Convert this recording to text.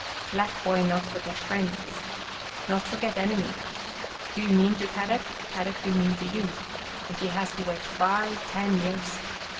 " Black boy not forget friend," he said. " Not forget enemy. Do mean to Kadok, Ka dok do mean to you, if he has to wait five, ten years.